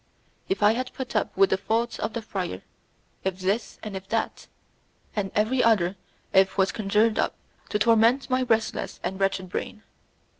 If I had put up with the faults of the friar, if this and if that, and every other if was conjured up to torment my restless and wretched brain.